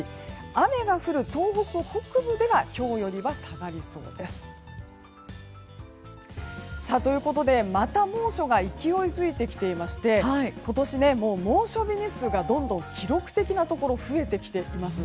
雨が降る東北北部では今日よりは下がりそうです。ということで、また猛暑が勢いづいてきていまして今年、猛暑日日数がどんどん記録的なところが増えてきています。